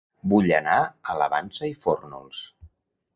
Vull anar a La Vansa i Fórnols